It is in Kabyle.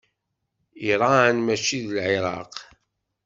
Iṛan mačči d Lɛiraq.